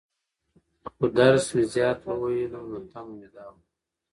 خو درس مې زيات وويلى وو، نو تمه مې دا وه.